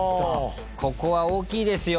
ここは大きいですよ。